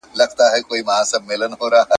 یو جهاني یې په سنګسار له ګناه نه کی خبر ,